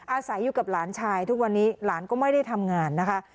อาศัยอยู่กับหลานชายทุกวันนี้หลานก็ไม่ได้ทำงานนะคะ